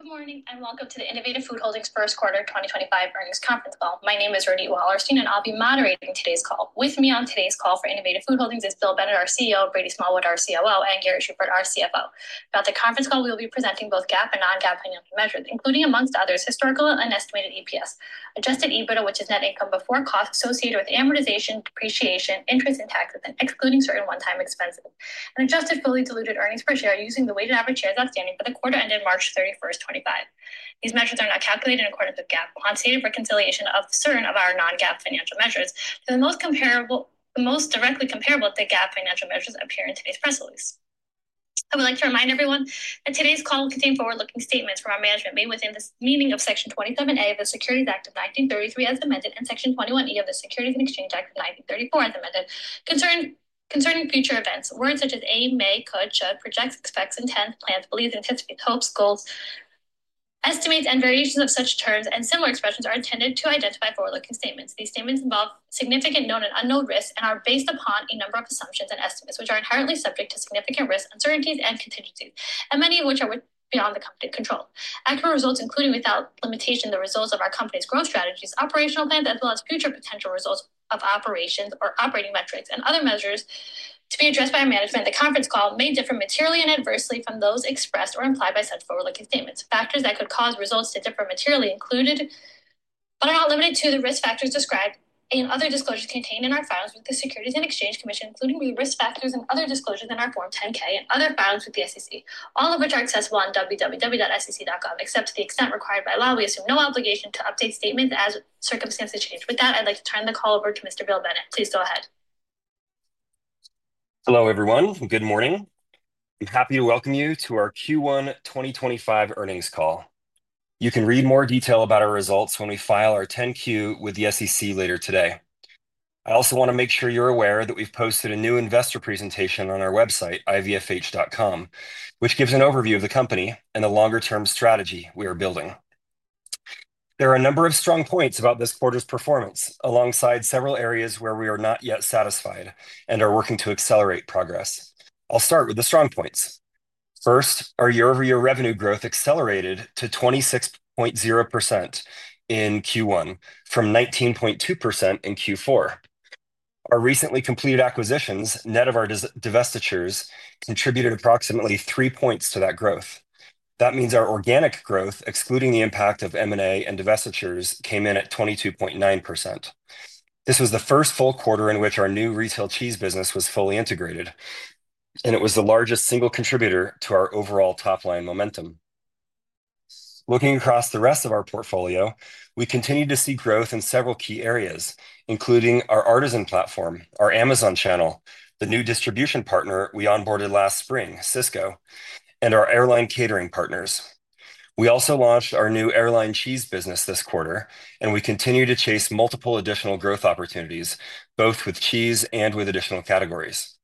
Good morning and welcome to the Innovative Food Holdings First Quarter 2025 Earnings Conference Call. My name is Ronit Wallerstein, and I'll be moderating today's call. With me on today's call for Innovative Food Holdings is Bill Bennett, our CEO, Brady Smallwood, our COO, and Gary Schubert, our CFO. Throughout the conference call, we will be presenting both GAAP and non-GAAP financial measures, including, amongst others, historical and estimated EPS, adjusted EBITDA, which is net income before costs associated with amortization, depreciation, interest, and taxes, and excluding certain one-time expenses, and adjusted fully diluted earnings per share using the weighted average shares outstanding for the quarter ended March 31st, 2025. These measures are not calculated in accordance with GAAP. Quantitative reconciliation of certain of our non-GAAP financial measures to the most directly comparable GAAP financial measures appear in today's press release. I would like to remind everyone that today's call will contain forward-looking statements from our management made within the meaning of Section 27A of the Securities Act of 1933, as amended, and Section 21E of the Securities and Exchange Act of 1934, as amended, concerning future events. Words such as aim, may, could, should, projects, expects, intends, plans, believes, anticipates, hopes, goals, estimates, and variations of such terms and similar expressions are intended to identify forward-looking statements. These statements involve significant known and unknown risks and are based upon a number of assumptions and estimates which are inherently subject to significant risk, uncertainties, and contingencies, and many of which are beyond the company's control. Accurate results, including without limitation, the results of our company's growth strategies, operational plans, as well as future potential results of operations or operating metrics and other measures to be addressed by our management, the conference call may differ materially and adversely from those expressed or implied by such forward-looking statements. Factors that could cause results to differ materially include but are not limited to the risk factors described in other disclosures contained in our files with the Securities and Exchange Commission, including risk factors and other disclosures in our Form 10-K and other files with the SEC, all of which are accessible on www.sec.gov, except to the extent required by law. We assume no obligation to update statements as circumstances change. With that, I'd like to turn the call over to Mr. Bill Bennett. Please go ahead. Hello, everyone. Good morning. I'm happy to welcome you to our Q1 2025 earnings call. You can read more detail about our results when we file our 10-Q with the SEC later today. I also want to make sure you're aware that we've posted a new investor presentation on our website, ivfh.com, which gives an overview of the company and the longer-term strategy we are building. There are a number of strong points about this quarter's performance alongside several areas where we are not yet satisfied and are working to accelerate progress. I'll start with the strong points. First, our year-over-year revenue growth accelerated to 26.0% in Q1 from 19.2% in Q4. Our recently completed acquisitions, net of our divestitures, contributed approximately three points to that growth. That means our organic growth, excluding the impact of M&A and divestitures, came in at 22.9%. This was the first full quarter in which our new retail cheese business was fully integrated, and it was the largest single contributor to our overall top-line momentum. Looking across the rest of our portfolio, we continued to see growth in several key areas, including our Artisan platform, our Amazon channel, the new distribution partner we onboarded last spring, Sysco, and our airline catering partners. We also launched our new airline cheese business this quarter, and we continue to chase multiple additional growth opportunities, both with cheese and with additional categories.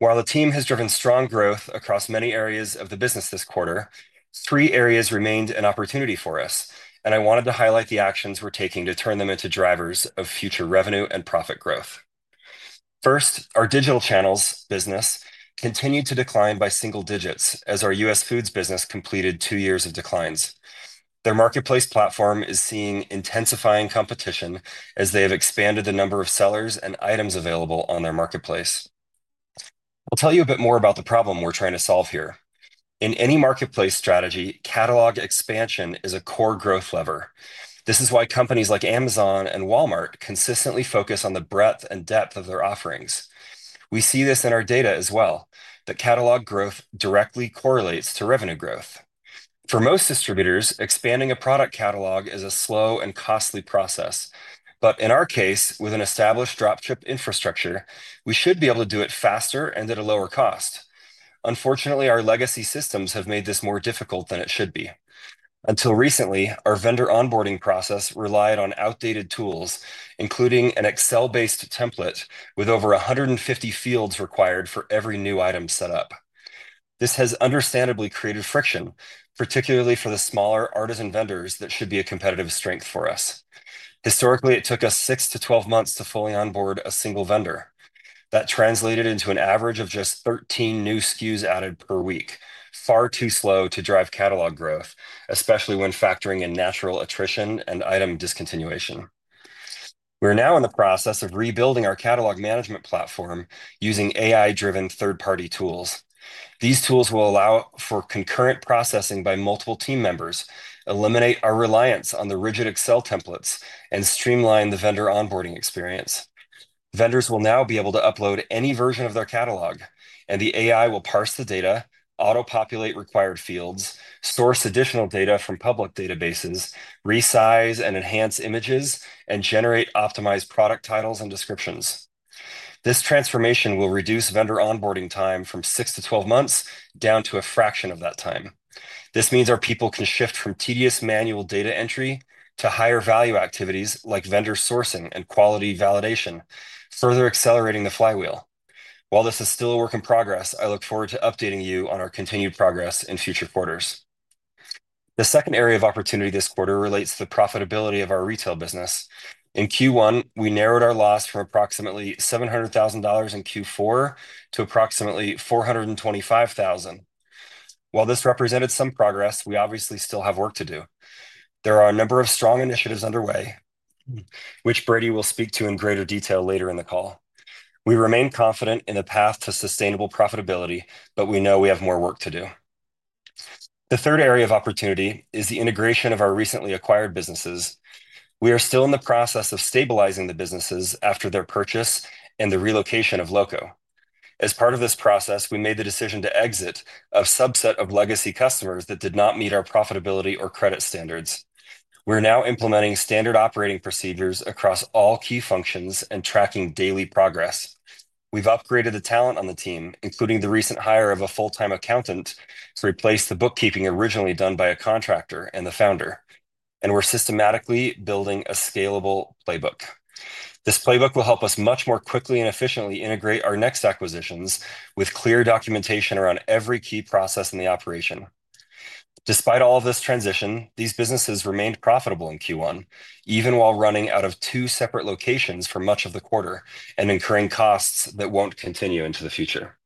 While the team has driven strong growth across many areas of the business this quarter, three areas remained an opportunity for us, and I wanted to highlight the actions we are taking to turn them into drivers of future revenue and profit growth. First, our digital channels business continued to decline by single digits as our U.S. foods business completed two years of declines. Their marketplace platform is seeing intensifying competition as they have expanded the number of sellers and items available on their marketplace. I'll tell you a bit more about the problem we're trying to solve here. In any marketplace strategy, catalog expansion is a core growth lever. This is why companies like Amazon and Walmart consistently focus on the breadth and depth of their offerings. We see this in our data as well, that catalog growth directly correlates to revenue growth. For most distributors, expanding a product catalog is a slow and costly process, but in our case, with an established dropship infrastructure, we should be able to do it faster and at a lower cost. Unfortunately, our legacy systems have made this more difficult than it should be. Until recently, our vendor onboarding process relied on outdated tools, including an Excel-based template with over 150 fields required for every new item set up. This has understandably created friction, particularly for the smaller artisan vendors that should be a competitive strength for us. Historically, it took us 6-12 months to fully onboard a single vendor. That translated into an average of just 13 new SKUs added per week, far too slow to drive catalog growth, especially when factoring in natural attrition and item discontinuation. We're now in the process of rebuilding our catalog management platform using AI-driven third-party tools. These tools will allow for concurrent processing by multiple team members, eliminate our reliance on the rigid Excel templates, and streamline the vendor onboarding experience. Vendors will now be able to upload any version of their catalog, and the AI will parse the data, auto-populate required fields, source additional data from public databases, resize and enhance images, and generate optimized product titles and descriptions. This transformation will reduce vendor onboarding time from 6-12 months down to a fraction of that time. This means our people can shift from tedious manual data entry to higher value activities like vendor sourcing and quality validation, further accelerating the flywheel. While this is still a work in progress, I look forward to updating you on our continued progress in future quarters. The second area of opportunity this quarter relates to the profitability of our retail business. In Q1, we narrowed our loss from approximately $700,000 in Q4 to approximately $425,000. While this represented some progress, we obviously still have work to do. There are a number of strong initiatives underway, which Brady will speak to in greater detail later in the call. We remain confident in the path to sustainable profitability, but we know we have more work to do. The third area of opportunity is the integration of our recently acquired businesses. We are still in the process of stabilizing the businesses after their purchase and the relocation of LoCo. As part of this process, we made the decision to exit a subset of legacy customers that did not meet our profitability or credit standards. We're now implementing standard operating procedures across all key functions and tracking daily progress. We've upgraded the talent on the team, including the recent hire of a full-time accountant to replace the bookkeeping originally done by a contractor and the founder, and we're systematically building a scalable playbook. This playbook will help us much more quickly and efficiently integrate our next acquisitions with clear documentation around every key process in the operation. Despite all of this transition, these businesses remained profitable in Q1, even while running out of two separate locations for much of the quarter and incurring costs that will not continue into the future.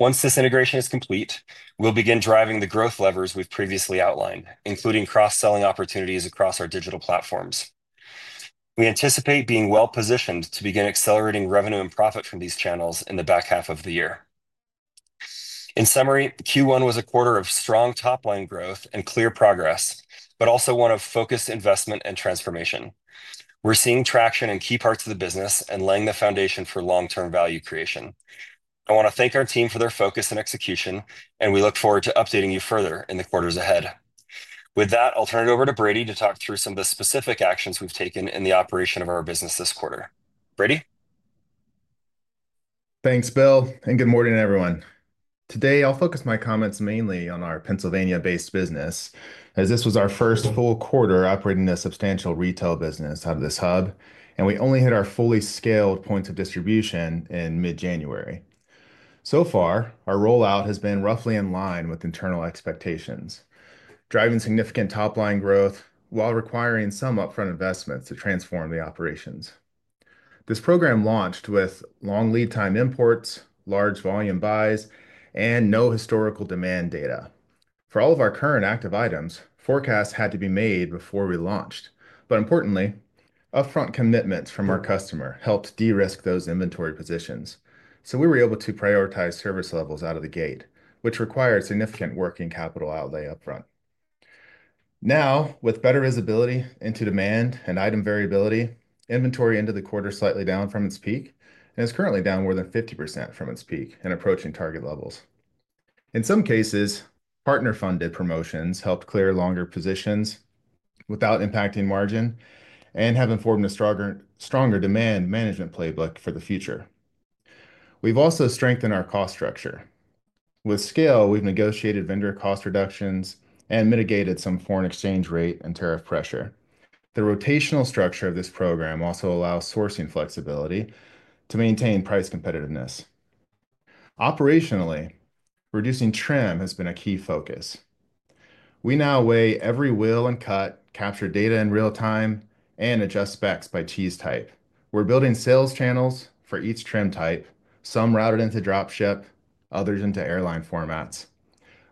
Once this integration is complete, we will begin driving the growth levers we have previously outlined, including cross-selling opportunities across our digital platforms. We anticipate being well-positioned to begin accelerating revenue and profit from these channels in the back half of the year. In summary, Q1 was a quarter of strong top-line growth and clear progress, but also one of focused investment and transformation. We are seeing traction in key parts of the business and laying the foundation for long-term value creation. I want to thank our team for their focus and execution, and we look forward to updating you further in the quarters ahead. With that, I'll turn it over to Brady to talk through some of the specific actions we've taken in the operation of our business this quarter. Brady? Thanks, Bill, and good morning, everyone. Today, I'll focus my comments mainly on our Pennsylvania-based business, as this was our first full quarter operating a substantial retail business out of this hub, and we only hit our fully scaled points of distribution in mid-January. So far, our rollout has been roughly in line with internal expectations, driving significant top-line growth while requiring some upfront investments to transform the operations. This program launched with long lead-time imports, large volume buys, and no historical demand data. For all of our current active items, forecasts had to be made before we launched, but importantly, upfront commitments from our customer helped de-risk those inventory positions, so we were able to prioritize service levels out of the gate, which required significant working capital outlay upfront. Now, with better visibility into demand and item variability, inventory end of the quarter slightly down from its peak and is currently down more than 50% from its peak and approaching target levels. In some cases, partner-funded promotions helped clear longer positions without impacting margin and have informed a stronger demand management playbook for the future. We've also strengthened our cost structure. With scale, we've negotiated vendor cost reductions and mitigated some foreign exchange rate and tariff pressure. The rotational structure of this program also allows sourcing flexibility to maintain price competitiveness. Operationally, reducing trim has been a key focus. We now weigh every wheel and cut, capture data in real time, and adjust specs by cheese type. We're building sales channels for each trim type, some routed into dropship, others into airline formats.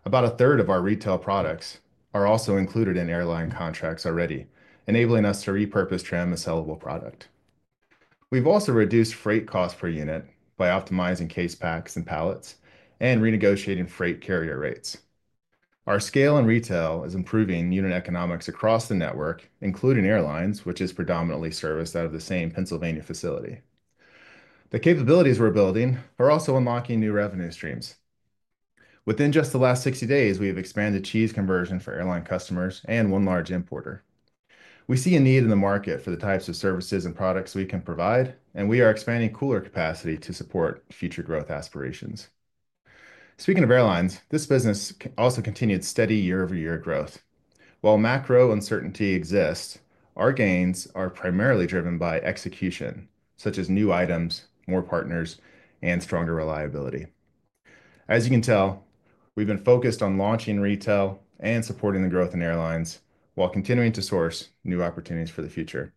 About a third of our retail products are also included in airline contracts already, enabling us to repurpose trim as a sellable product. We have also reduced freight costs per unit by optimizing case packs and pallets and renegotiating freight carrier rates. Our scale in retail is improving unit economics across the network, including airlines, which is predominantly serviced out of the same Pennsylvania facility. The capabilities we are building are also unlocking new revenue streams. Within just the last 60 days, we have expanded cheese conversion for airline customers and one large importer. We see a need in the market for the types of services and products we can provide, and we are expanding cooler capacity to support future growth aspirations. Speaking of airlines, this business also continued steady year-over-year growth. While macro uncertainty exists, our gains are primarily driven by execution, such as new items, more partners, and stronger reliability. As you can tell, we've been focused on launching retail and supporting the growth in airlines while continuing to source new opportunities for the future.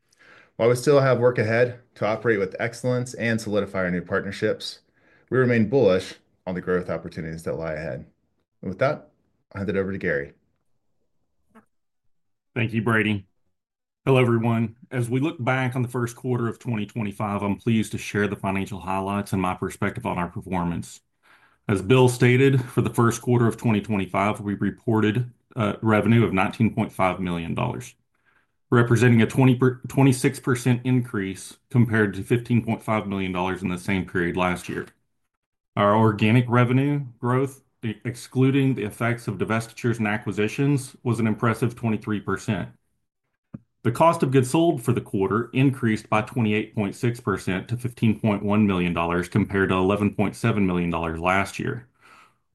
While we still have work ahead to operate with excellence and solidify our new partnerships, we remain bullish on the growth opportunities that lie ahead. With that, I'll hand it over to Gary. Thank you, Brady. Hello, everyone. As we look back on the first quarter of 2025, I'm pleased to share the financial highlights and my perspective on our performance. As Bill stated, for the first quarter of 2025, we reported revenue of $19.5 million, representing a 26% increase compared to $15.5 million in the same period last year. Our organic revenue growth, excluding the effects of divestitures and acquisitions, was an impressive 23%. The cost of goods sold for the quarter increased by 28.6% to $15.1 million compared to $11.7 million last year.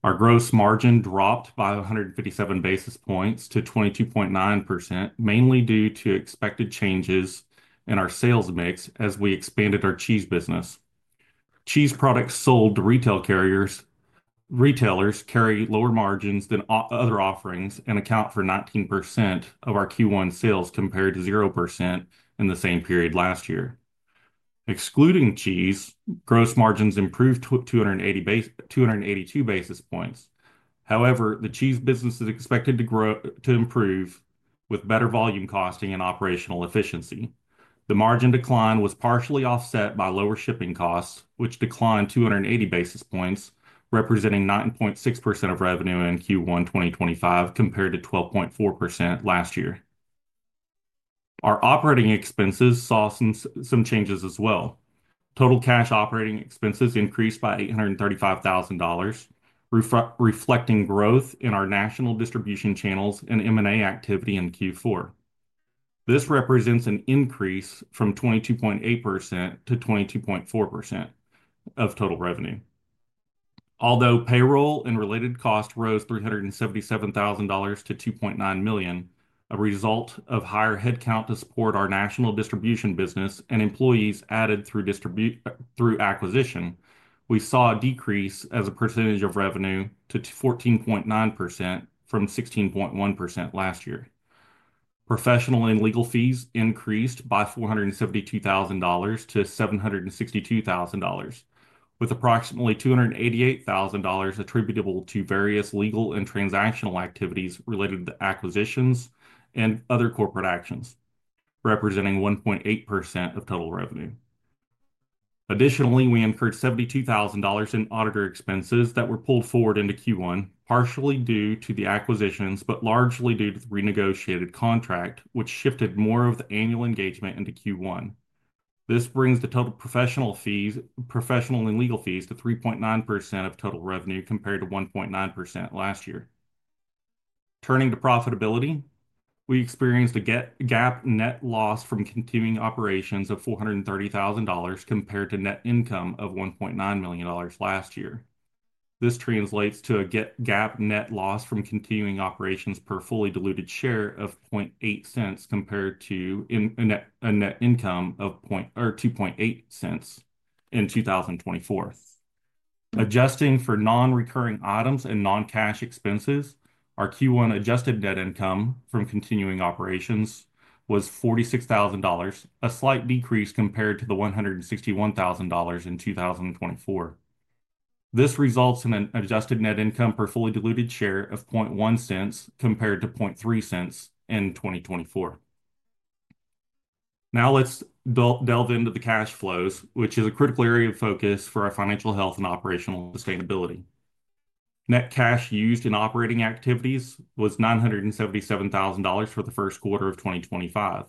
Our gross margin dropped by 157 basis points to 22.9%, mainly due to expected changes in our sales mix as we expanded our cheese business. Cheese products sold to retail carriers carry lower margins than other offerings and account for 19% of our Q1 sales compared to 0% in the same period last year. Excluding cheese, gross margins improved to 282 basis points. However, the cheese business is expected to improve with better volume costing and operational efficiency. The margin decline was partially offset by lower shipping costs, which declined 280 basis points, representing 9.6% of revenue in Q1 2025 compared to 12.4% last year. Our operating expenses saw some changes as well. Total cash operating expenses increased by $835,000, reflecting growth in our national distribution channels and M&A activity in Q4. This represents an increase from 22.8% to 22.4% of total revenue. Although payroll and related costs rose $377,000 to $2.9 million, a result of higher headcount to support our national distribution business and employees added through acquisition, we saw a decrease as a percentage of revenue to 14.9% from 16.1% last year. Professional and legal fees increased by $472,000 to $762,000, with approximately $288,000 attributable to various legal and transactional activities related to acquisitions and other corporate actions, representing 1.8% of total revenue. Additionally, we incurred $72,000 in auditor expenses that were pulled forward into Q1, partially due to the acquisitions, but largely due to the renegotiated contract, which shifted more of the annual engagement into Q1. This brings the total professional and legal fees to 3.9% of total revenue compared to 1.9% last year. Turning to profitability, we experienced a GAAP net loss from continuing operations of $430,000 compared to net income of $1.9 million last year. This translates to a GAAP net loss from continuing operations per fully diluted share of $0.008 compared to a net income of $0.028 in 2024. Adjusting for non-recurring items and non-cash expenses, our Q1 adjusted net income from continuing operations was $46,000, a slight decrease compared to the $161,000 in 2024. This results in an adjusted net income per fully diluted share of $0.001 compared to $0.003 in 2024. Now let's delve into the cash flows, which is a critical area of focus for our financial health and operational sustainability. Net cash used in operating activities was $977,000 for the first quarter of 2025.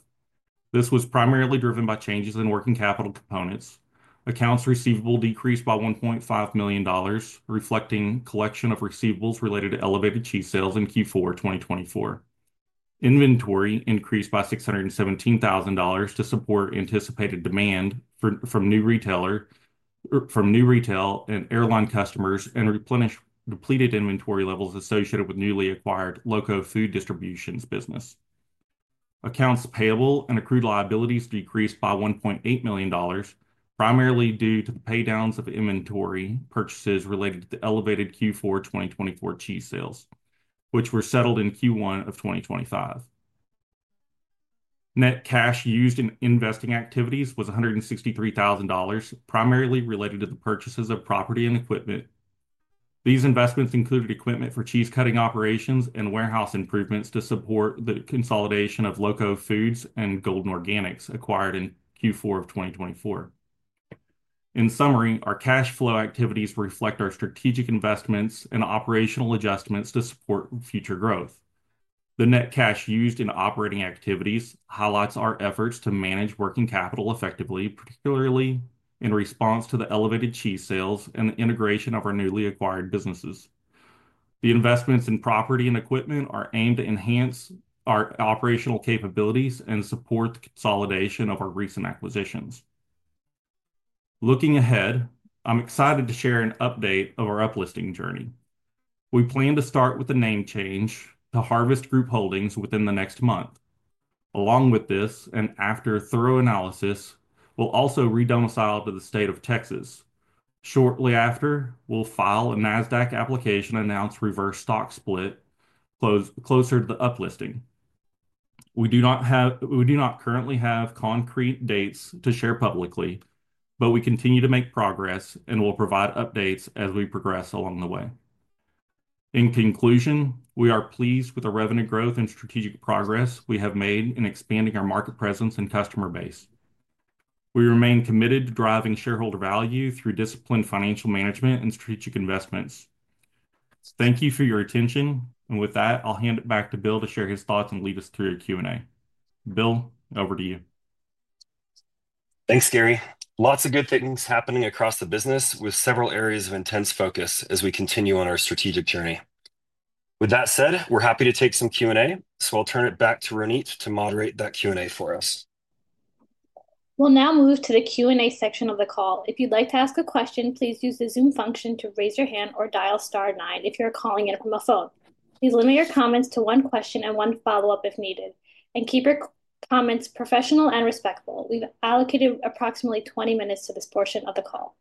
This was primarily driven by changes in working capital components. Accounts receivable decreased by $1.5 million, reflecting collection of receivables related to elevated cheese sales in Q4 2024. Inventory increased by $617,000 to support anticipated demand from new retail and airline customers and depleted inventory levels associated with newly acquired LoCo Foods business. Accounts payable and accrued liabilities decreased by $1.8 million, primarily due to the paydowns of inventory purchases related to the elevated Q4 2024 cheese sales, which were settled in Q1 of 2025. Net cash used in investing activities was $163,000, primarily related to the purchases of property and equipment. These investments included equipment for cheese cutting operations and warehouse improvements to support the consolidation of LoCo Foods and Golden Organics acquired in Q4 of 2024. In summary, our cash flow activities reflect our strategic investments and operational adjustments to support future growth. The net cash used in operating activities highlights our efforts to manage working capital effectively, particularly in response to the elevated cheese sales and the integration of our newly acquired businesses. The investments in property and equipment are aimed to enhance our operational capabilities and support the consolidation of our recent acquisitions. Looking ahead, I'm excited to share an update of our uplisting journey. We plan to start with a name change to Harvest Group Holdings within the next month. Along with this, and after a thorough analysis, we'll also redomicile to the state of Texas. Shortly after, we'll file a NASDAQ application to announce reverse stock split closer to the uplisting. We do not currently have concrete dates to share publicly, but we continue to make progress and will provide updates as we progress along the way. In conclusion, we are pleased with the revenue growth and strategic progress we have made in expanding our market presence and customer base. We remain committed to driving shareholder value through disciplined financial management and strategic investments. Thank you for your attention, and with that, I'll hand it back to Bill to share his thoughts and lead us through a Q&A. Bill, over to you. Thanks, Gary. Lots of good things happening across the business with several areas of intense focus as we continue on our strategic journey. With that said, we're happy to take some Q&A, so I'll turn it back to Ronit to moderate that Q&A for us. We'll now move to the Q&A section of the call. If you'd like to ask a question, please use the Zoom function to raise your hand or dial star nine if you're calling in from a phone. Please limit your comments to one question and one follow-up if needed, and keep your comments professional and respectful. We've allocated approximately 20 minutes to this portion of the call.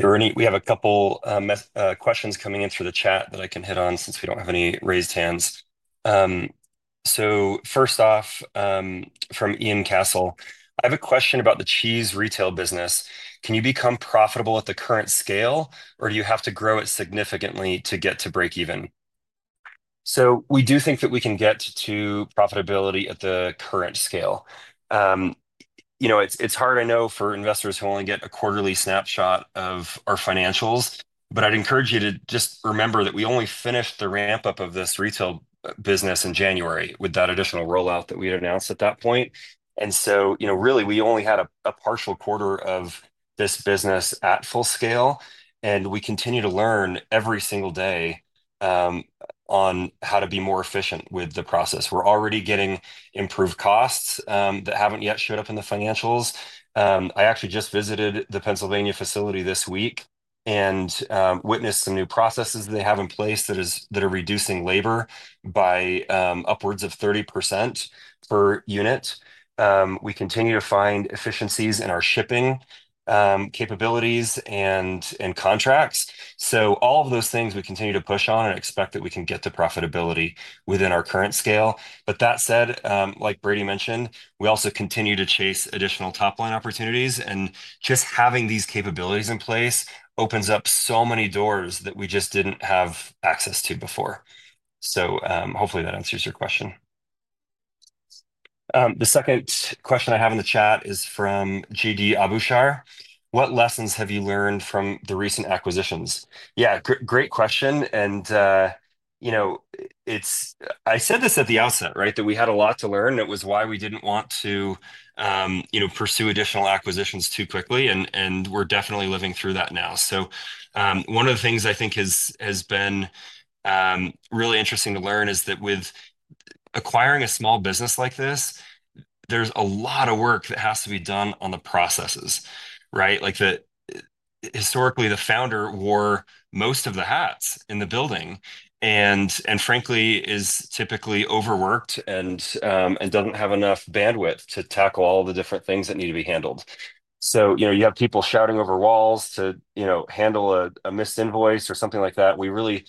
Ronit, we have a couple of questions coming in through the chat that I can hit on since we do not have any raised hands. First off, from Ian Cassel, I have a question about the cheese retail business. Can you become profitable at the current scale, or do you have to grow it significantly to get to break even? We do think that we can get to profitability at the current scale. It's hard, I know, for investors who only get a quarterly snapshot of our financials, but I'd encourage you to just remember that we only finished the ramp-up of this retail business in January with that additional rollout that we had announced at that point. Really, we only had a partial quarter of this business at full scale, and we continue to learn every single day on how to be more efficient with the process. We're already getting improved costs that haven't yet showed up in the financials. I actually just visited the Pennsylvania facility this week and witnessed some new processes that they have in place that are reducing labor by upwards of 30% per unit. We continue to find efficiencies in our shipping capabilities and contracts. All of those things we continue to push on and expect that we can get to profitability within our current scale. That said, like Brady mentioned, we also continue to chase additional top-line opportunities, and just having these capabilities in place opens up so many doors that we just did not have access to before. Hopefully that answers your question. The second question I have in the chat is from JD Abouchar: "What lessons have you learned from the recent acquisitions?" Yeah, great question. I said this at the outset, right, that we had a lot to learn. It was why we did not want to pursue additional acquisitions too quickly, and we are definitely living through that now. One of the things I think has been really interesting to learn is that with acquiring a small business like this, there is a lot of work that has to be done on the processes, right? Historically, the founder wore most of the hats in the building and, frankly, is typically overworked and does not have enough bandwidth to tackle all the different things that need to be handled. You have people shouting over walls to handle a missed invoice or something like that. We really,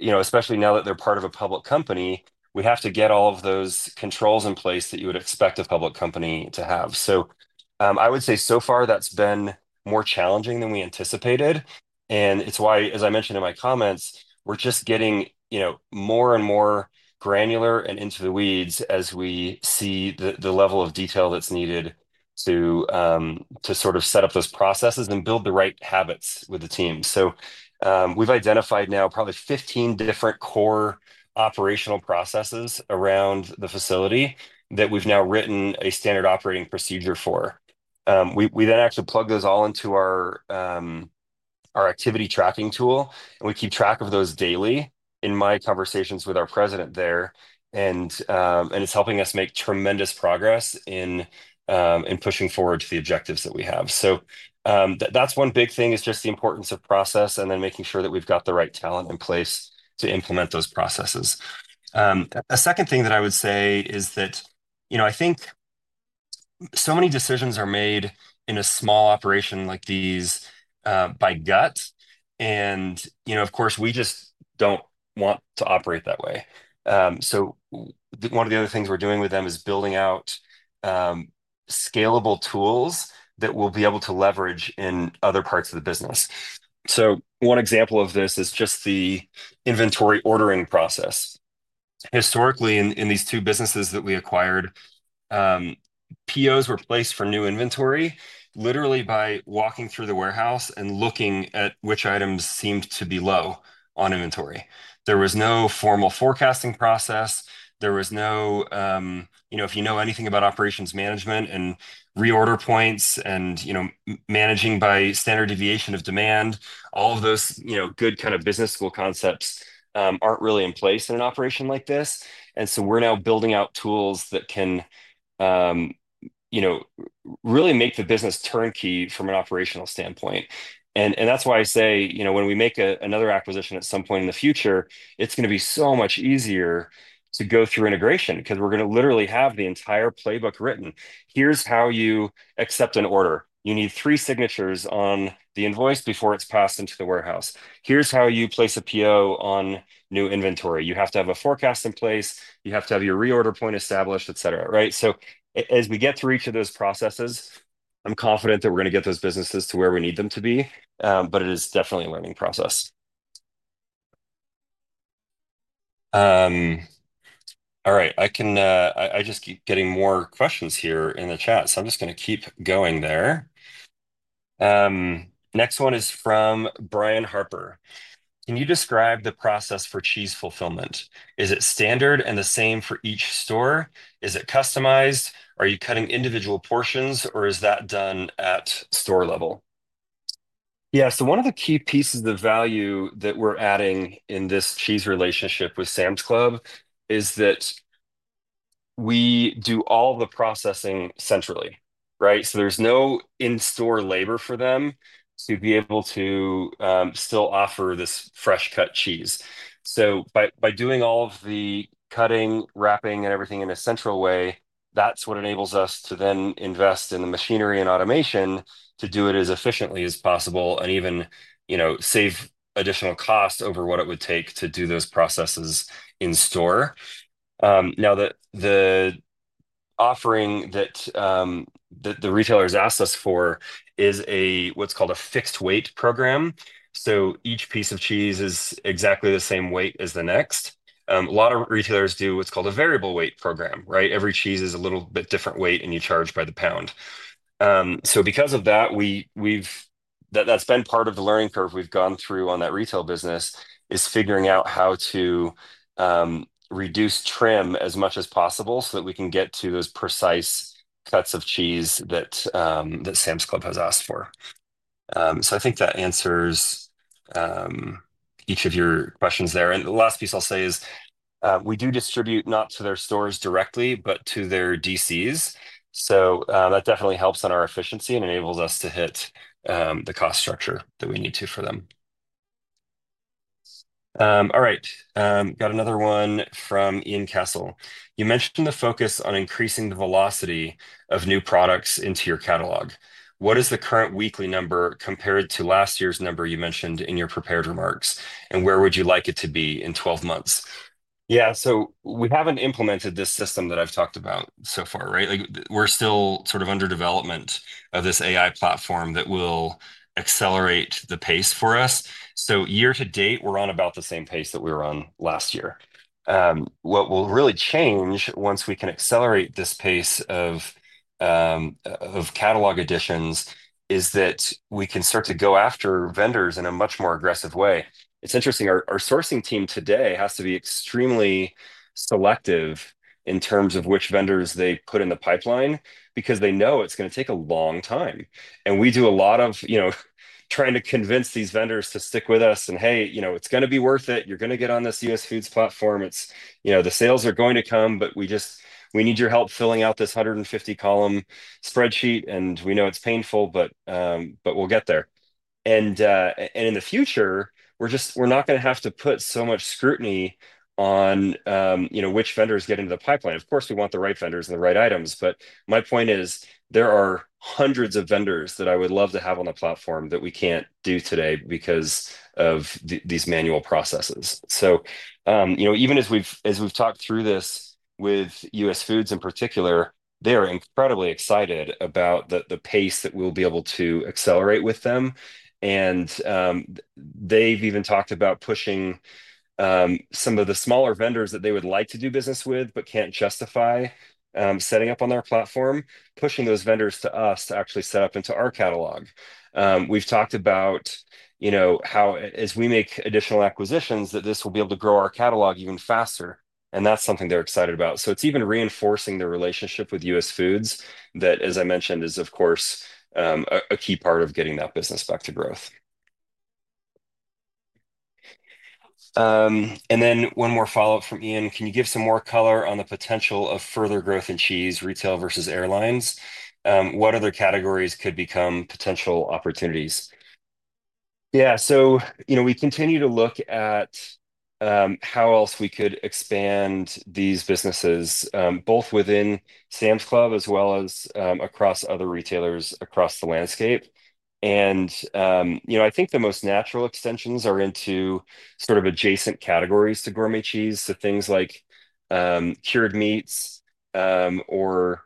especially now that they're part of a public company, have to get all of those controls in place that you would expect a public company to have. I would say so far that's been more challenging than we anticipated. It's why, as I mentioned in my comments, we're just getting more and more granular and into the weeds as we see the level of detail that's needed to sort of set up those processes and build the right habits with the team. We've identified now probably 15 different core operational processes around the facility that we've now written a standard operating procedure for. We then actually plug those all into our activity tracking tool, and we keep track of those daily in my conversations with our president there, and it's helping us make tremendous progress in pushing forward to the objectives that we have. That's one big thing is just the importance of process and then making sure that we've got the right talent in place to implement those processes. A second thing that I would say is that I think so many decisions are made in a small operation like these by gut, and of course, we just don't want to operate that way. One of the other things we're doing with them is building out scalable tools that we'll be able to leverage in other parts of the business. One example of this is just the inventory ordering process. Historically, in these two businesses that we acquired, POs were placed for new inventory literally by walking through the warehouse and looking at which items seemed to be low on inventory. There was no formal forecasting process. There was no—if you know anything about operations management and reorder points and managing by standard deviation of demand, all of those good kind of business school concepts are not really in place in an operation like this. We are now building out tools that can really make the business turnkey from an operational standpoint. That is why I say when we make another acquisition at some point in the future, it is going to be so much easier to go through integration because we are going to literally have the entire playbook written. Here is how you accept an order. You need three signatures on the invoice before it is passed into the warehouse. Here is how you place a PO on new inventory. You have to have a forecast in place. You have to have your reorder point established, et cetera, right? As we get through each of those processes, I'm confident that we're going to get those businesses to where we need them to be, but it is definitely a learning process. All right. I just keep getting more questions here in the chat, so I'm just going to keep going there. Next one is from Brian Harper: "Can you describe the process for cheese fulfillment? Is it standard and the same for each store? Is it customized? Are you cutting individual portions, or is that done at store level? Yeah. One of the key pieces of value that we're adding in this cheese relationship with Sam's Club is that we do all the processing centrally, right? There's no in-store labor for them to be able to still offer this fresh cut cheese. By doing all of the cutting, wrapping, and everything in a central way, that's what enables us to then invest in the machinery and automation to do it as efficiently as possible and even save additional cost over what it would take to do those processes in store. The offering that the retailers asked us for is what's called a fixed weight program. Each piece of cheese is exactly the same weight as the next. A lot of retailers do what's called a variable weight program, right? Every cheese is a little bit different weight, and you charge by the pound. Because of that, that's been part of the learning curve we've gone through on that retail business is figuring out how to reduce trim as much as possible so that we can get to those precise cuts of cheese that Sam's Club has asked for. I think that answers each of your questions there. The last piece I'll say is we do distribute not to their stores directly, but to their DCs. That definitely helps on our efficiency and enables us to hit the cost structure that we need to for them. All right. Got another one from Ian Cassel: "You mentioned the focus on increasing the velocity of new products into your catalog. What is the current weekly number compared to last year's number you mentioned in your prepared remarks, and where would you like it to be in 12 months?" Yeah. We have not implemented this system that I have talked about so far, right? We are still sort of under development of this AI platform that will accelerate the pace for us. Year to date, we are on about the same pace that we were on last year. What will really change once we can accelerate this pace of catalog additions is that we can start to go after vendors in a much more aggressive way. It is interesting. Our sourcing team today has to be extremely selective in terms of which vendors they put in the pipeline because they know it is going to take a long time. We do a lot of trying to convince these vendors to stick with us and, "Hey, it is going to be worth it. You are going to get on this US Foods platform. The sales are going to come, but we need your help filling out this 150-column spreadsheet, and we know it's painful, but we'll get there. In the future, we're not going to have to put so much scrutiny on which vendors get into the pipeline. Of course, we want the right vendors and the right items, but my point is there are hundreds of vendors that I would love to have on the platform that we can't do today because of these manual processes. Even as we've talked through this with US Foods in particular, they are incredibly excited about the pace that we'll be able to accelerate with them. They've even talked about pushing some of the smaller vendors that they would like to do business with but can't justify setting up on their platform, pushing those vendors to us to actually set up into our catalog. We've talked about how, as we make additional acquisitions, this will be able to grow our catalog even faster, and that's something they're excited about. It is even reinforcing the relationship with US Foods that, as I mentioned, is, of course, a key part of getting that business back to growth. One more follow-up from Ian: "Can you give some more color on the potential of further growth in cheese retail versus airlines? What other categories could become potential opportunities? Yeah. We continue to look at how else we could expand these businesses both within Sam's Club as well as across other retailers across the landscape. I think the most natural extensions are into sort of adjacent categories to gourmet cheese, so things like cured meats or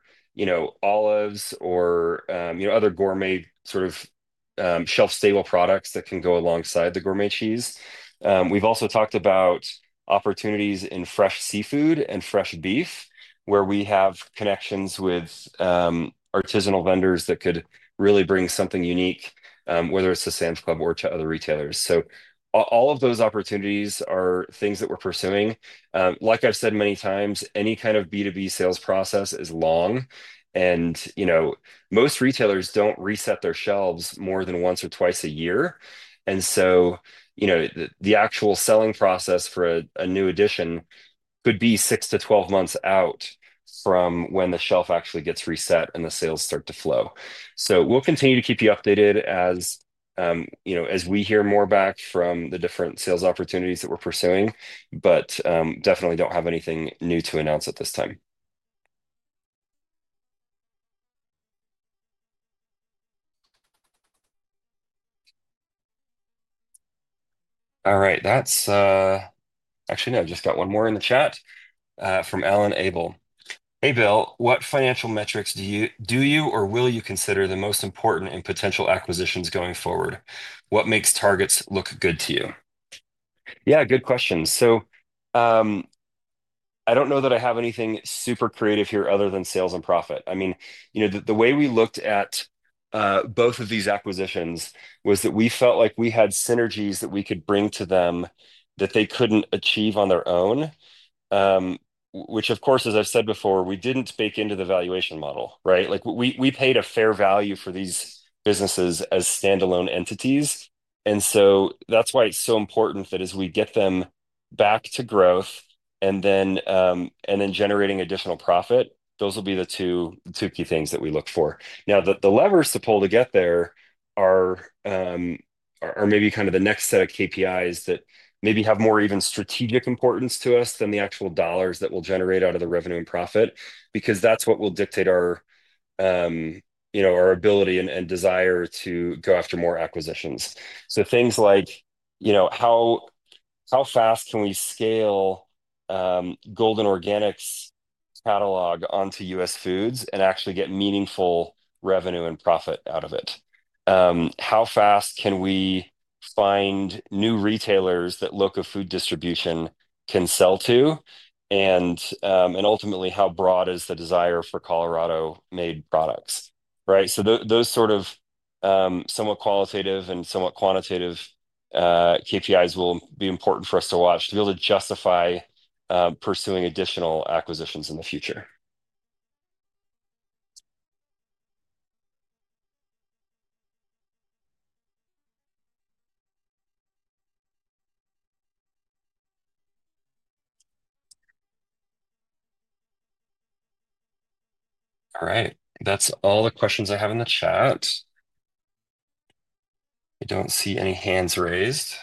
olives or other gourmet sort of shelf-stable products that can go alongside the gourmet cheese. We have also talked about opportunities in fresh seafood and fresh beef where we have connections with artisanal vendors that could really bring something unique, whether it is to Sam's Club or to other retailers. All of those opportunities are things that we are pursuing. Like I have said many times, any kind of B2B sales process is long, and most retailers do not reset their shelves more than once or twice a year. The actual selling process for a new addition could be 6-12 months out from when the shelf actually gets reset and the sales start to flow. We will continue to keep you updated as we hear more back from the different sales opportunities that we are pursuing, but definitely do not have anything new to announce at this time. All right. Actually, no, I just got one more in the chat from Alan Abel. "Hey Bill, what financial metrics do you or will you consider the most important in potential acquisitions going forward? What makes targets look good to you? Yeah, good question. I don't know that I have anything super creative here other than sales and profit. I mean, the way we looked at both of these acquisitions was that we felt like we had synergies that we could bring to them that they couldn't achieve on their own, which, of course, as I've said before, we didn't bake into the valuation model, right? We paid a fair value for these businesses as standalone entities. That is why it's so important that as we get them back to growth and then generating additional profit, those will be the two key things that we look for. Now, the levers to pull to get there are maybe kind of the next set of KPIs that maybe have more even strategic importance to us than the actual dollars that we'll generate out of the revenue and profit because that's what will dictate our ability and desire to go after more acquisitions. Things like how fast can we scale Golden Organics' catalog onto US Foods and actually get meaningful revenue and profit out of it? How fast can we find new retailers that LoCo Food Distribution can sell to? Ultimately, how broad is the desire for Colorado-made products, right? Those sort of somewhat qualitative and somewhat quantitative KPIs will be important for us to watch to be able to justify pursuing additional acquisitions in the future. All right. That's all the questions I have in the chat. I don't see any hands raised.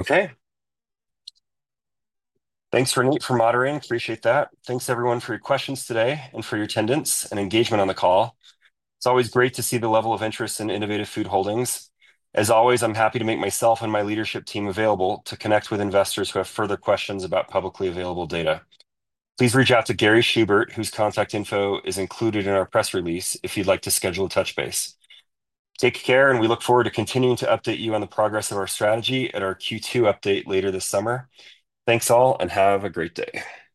Okay. Thanks for moderating. Appreciate that. Thanks, everyone, for your questions today and for your attendance and engagement on the call. It's always great to see the level of interest in Innovative Food Holdings. As always, I'm happy to make myself and my leadership team available to connect with investors who have further questions about publicly available data. Please reach out to Gary Schubert, whose contact info is included in our press release if you'd like to schedule a touch base. Take care, and we look forward to continuing to update you on the progress of our strategy at our Q2 update later this summer. Thanks all, and have a great day.